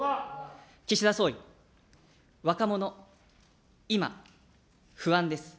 岸田総理、若者、今、不安です。